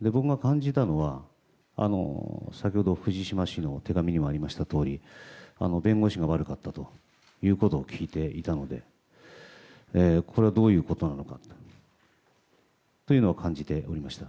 僕が感じたのが先ほど、藤島氏の手紙にもありましたとおり弁護士が悪かったということを聞いていたのでこれはどういうことなのかというのは感じておりました。